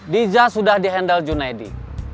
dija sudah di handle junaidi